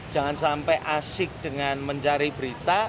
jangan sampai asik dengan mencari berita